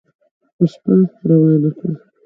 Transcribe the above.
په شپه روانه کړه